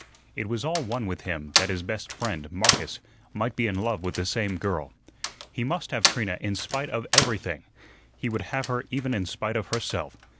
It was all one with him that his best friend, Marcus, might be in love with the same girl. He must have Trina in spite of everything; he would have her even in spite of herself.